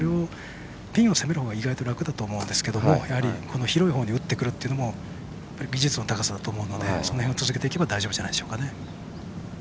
ピンを攻めるほうが意外と楽だと思うんですけど広いほうに打ってくるというのも技術の高さだと思うのでその辺を続けていけば大丈夫じゃないでしょうか。